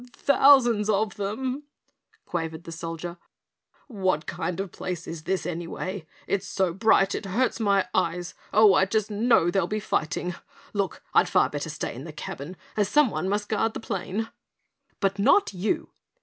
"Th thousands of them!" quavered the Soldier. "What kind of place is this, anyway! It's so bright it hurts my eyes. Oh, I just know there'll be fighting! Look, I'd far better stay in the cabin, as someone must guard the plane!" "But not YOU!"